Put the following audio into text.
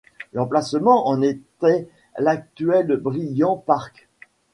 L'emplacement en était l'actuel Bryant Park.